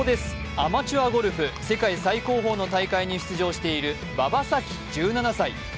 アマチュアゴルフ世界最高峰の大会に出場している馬場咲希１７歳。